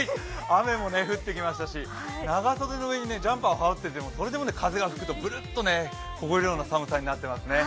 雨もね降ってきましたし、長袖の上にジャンパー羽織っててもそれでも風が吹くとぶるっと凍えるような寒さとなっています。